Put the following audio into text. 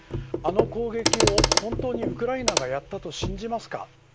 あの攻撃を、本当にウクライナがやったと信じますか。